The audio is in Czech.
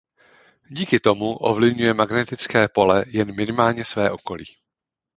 Díky tomu ovlivňuje magnetické pole jen minimálně své okolí.